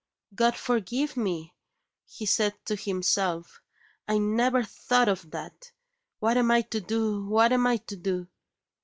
"God forgive me!" he said to himself, "I never thought of that! What am I to do? what am I to do?"